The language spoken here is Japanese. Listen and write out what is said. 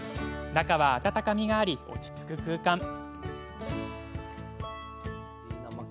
中は温かみがあり、落ち着く空間。